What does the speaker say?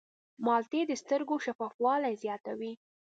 مالټې د سترګو شفافوالی زیاتوي.